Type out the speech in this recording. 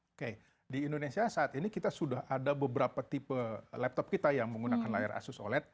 oke di indonesia saat ini kita sudah ada beberapa tipe laptop kita yang menggunakan layar asus oled